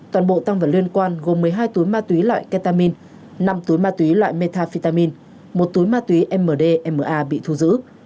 toàn bộ tăng vật liên quan gồm một mươi hai túi ma túy loại ketamine năm túi ma túy loại metafetamin một túi ma túy mdma bị thu giữ